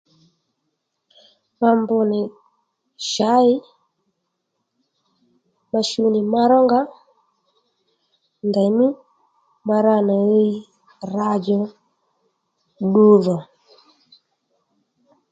Ma mbr nì shǎy ma shu nì ma rónga ndèymí ma ra nì ɦiy ra djò ddu dhò